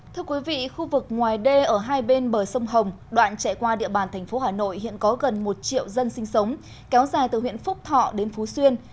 thưa quý vị khu vực ngoài đê ở hai bên bờ sông hồng đoạn chạy qua địa bàn thành phố hà nội hiện có gần một triệu dân sinh sống kéo dài từ huyện phúc thọ đến phú xuyên